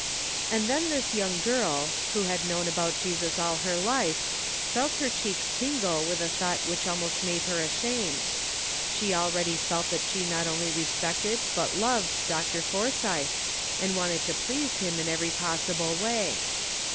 And then this young girl, who had known about Jesus all her life, felt her cheeks tingle with a thought which almost made her ashamed ; she already felt that she not only respected but loved Dr. Forsythe, and wanted to please him in every possible way.